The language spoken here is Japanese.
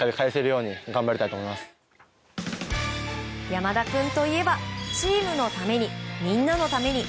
山田君といえばチームのためにみんなのために。